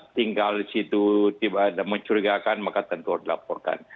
tinggal disitu tiba tiba mencurigakan maka tentu dilaporkan